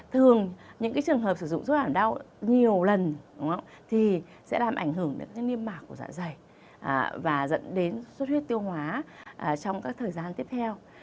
thường những trường hợp sử dụng rút hẳn đau nhiều lần thì sẽ làm ảnh hưởng đến niêm mạc của dạ dày và dẫn đến xuất huyết tiêu hóa trong các thời gian tiếp theo